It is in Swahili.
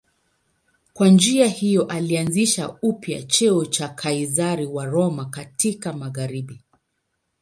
Kwa njia hiyo alianzisha upya cheo cha Kaizari wa Roma katika magharibi.